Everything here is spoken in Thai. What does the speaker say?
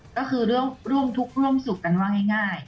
ก็คือร่วมทุกข์ร่วมสุขกันว่าง่าย